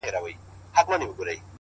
علم انسان ته حقیقي ځواک ورکوي!